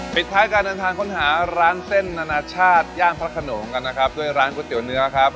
ปิดท้ายการเดินทางค้นหาร้านเส้นนานาชาติย่านพระขนงกันนะครับด้วยร้านก๋วยเตี๋ยวเนื้อครับ